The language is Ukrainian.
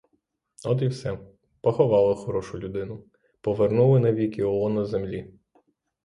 От і все. Поховали хорошу людину, повернули навіки у лоно землі.